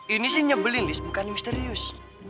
ini sih nyebelin bukan misterius